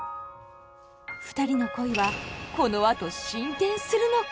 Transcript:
ふたりの恋はこのあと進展するのか。